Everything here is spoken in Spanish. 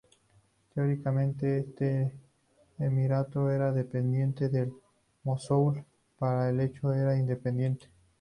Teóricamente, este emirato era dependiente del de Mosul, pero de hecho, era independiente.